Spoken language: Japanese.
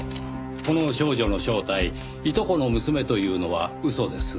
この少女の正体いとこの娘というのは嘘ですね？